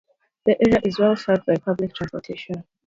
The area is well-served by public transportation.